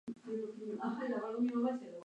La pareja se separó dos años más tarde.